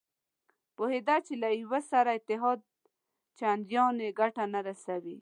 پوهېده چې له یوه سره اتحاد چندانې ګټه نه رسوي.